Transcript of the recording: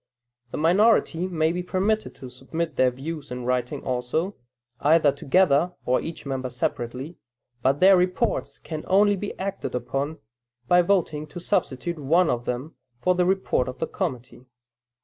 The minority may be permitted to submit their views in writing also, either together, or each member separately, but their reports can only be acted upon, by voting to substitute one of them for the report of the committee.